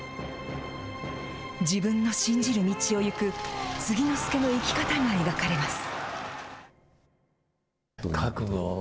自分の信じる道を行く継之助の生き方が描かれます。